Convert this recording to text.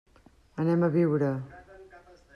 Anem a Biure.